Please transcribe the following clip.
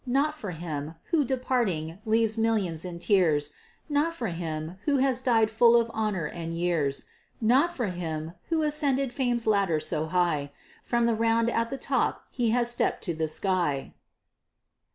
Not for him who, departing, leaves millions in tears! Not for him who has died full of honor and years! Not for him who ascended Fame's ladder so high From the round at the top he has stepp'd to the sky!